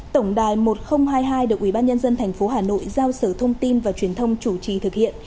tổng đài một nghìn hai mươi hai được ubnd tp hà nội giao sở thông tin và truyền thông chủ trì thực hiện